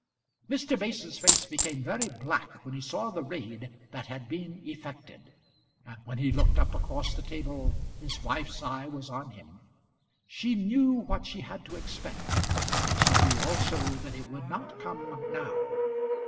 Mr. Mason's face became very black when he saw the raid that had been effected, and when he looked up across the table his wife's eye was on him. She knew what she had to expect, and she knew also that it would not come now.